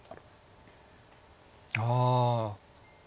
ああ。